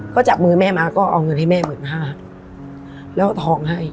ก็จับมือแม่มาก็เอาเงินให้แม่หมื่นห้าแล้วเอาทองให้